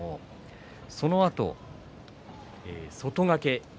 そのあと外掛け。